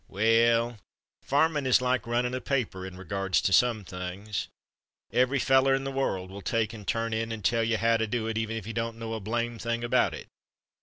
"Well, farmin' is like runnin' a paper in regards to some things. Every feller in the world will take and turn in and tell you how to do it, even if he don't know a blame thing about it.